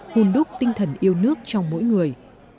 hùn đúc tinh thần yêu nước trong mỗi người